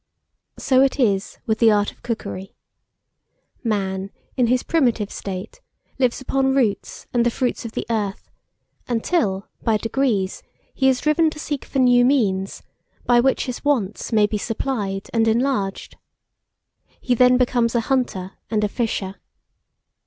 So is it with the art of cookery. Man, in his primitive state, lives upon roots and the fruits of the earth, until, by degrees, he is driven to seek for new means, by which his wants may be supplied and enlarged. He then becomes a hunter and a fisher.